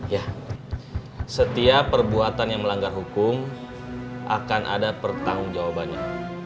ya setiap perbuatan yang melanggar hukum akan ada pertanggung jawabannya